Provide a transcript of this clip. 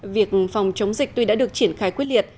việc phòng chống dịch tuy đã được triển khai quyết liệt